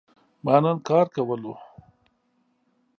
ما نن کار کولو